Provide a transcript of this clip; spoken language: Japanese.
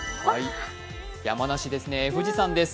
山梨ですね、富士山です。